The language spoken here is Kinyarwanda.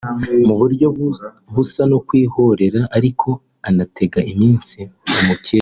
Mu buryo busa no kwihorera ariko anatega iminsi umukeba